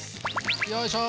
よいしょ。